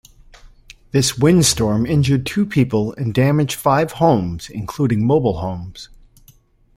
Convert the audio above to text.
This windstorm injured two people and damaged five homes including mobile homes.